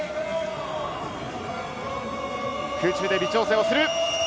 空中で微調整をする。